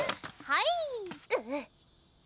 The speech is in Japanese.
はい。